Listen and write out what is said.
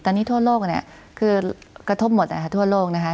ตอนนี้ทั่วโลกคือกระทบหมดทั่วโลกนะคะ